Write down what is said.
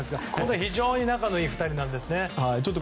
非常に仲いい２人なんですね。